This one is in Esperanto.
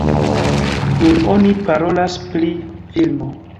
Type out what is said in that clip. Nun oni parolas pri filmo.